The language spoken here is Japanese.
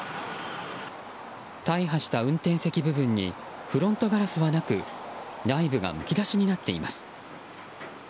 大破した運転席部分にフロントガラスはなく内部がむき出しになっています。